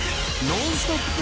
ノンストップ！